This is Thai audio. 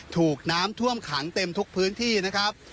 ถูกน้ำท่วมขังเต็มทุกพื้นที่นะครับ